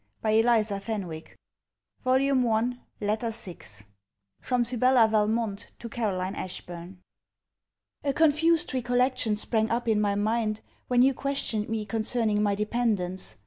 CAROLINE ASHBURN LETTER VI FROM SIBELLA VALMONT TO CAROLINE ASHBURN A confused recollection sprang up in my mind when you questioned me concerning my dependence.